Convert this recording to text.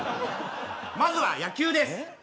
まずは、野球です。